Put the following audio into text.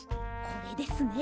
これですね。